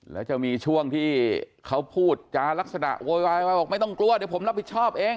แล้วจะมีช่วงที่เขาพูดจารักษณะโวยวายไว้บอกไม่ต้องกลัวเดี๋ยวผมรับผิดชอบเอง